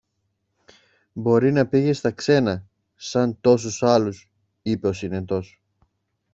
Μπορεί να πήγε στα ξένα σαν τόσους άλλους, είπε ο Συνετός.